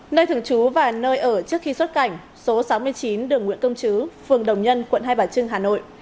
nơi thường trú và nơi ở trước khi xuất cảnh số sáu mươi chín đường nguyễn công chứ phường đồng nhân quận hai bà trưng hà nội